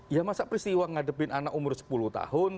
ya masa peristiwa ngadepin anak umur sepuluh tahun